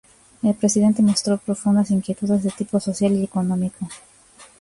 El presidente mostró profundas inquietudes de tipo social y económico.